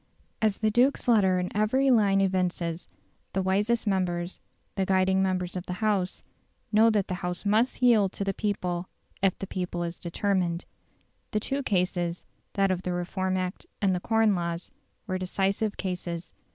As the duke's letter in every line evinces, the wisest members, the guiding members of the House, know that the House must yield to the people if the people is determined. The two cases that of the Reform Act and the Corn Laws were decisive cases.